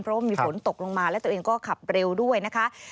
เพราะว่ามีฝนตกลงมาและตัวเองก็ขับเร็วด้วยนะคะ